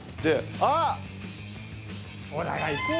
あっ！